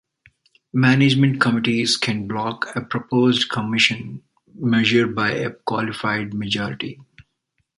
Management committees can block a proposed Commission measure by a qualified majority.